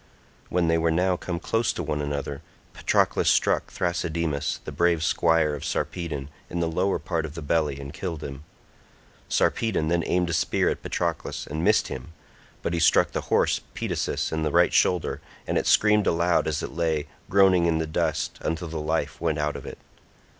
When they were now come close to one another Patroclus struck Thrasydemus, the brave squire of Sarpedon, in the lower part of the belly, and killed him. Sarpedon then aimed a spear at Patroclus and missed him, but he struck the horse Pedasus in the right shoulder, and it screamed aloud as it lay, groaning in the dust until the life went out of it.